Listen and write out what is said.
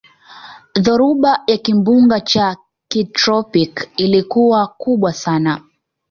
dhoruba ya kimbunga cha kitropiki ilikuwa kubwa sana